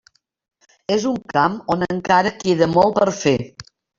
És un camp on encara queda molt per fer.